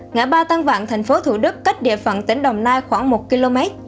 ngã ba tân vạn thành phố thủ đức cách địa phận tỉnh đồng nai khoảng một km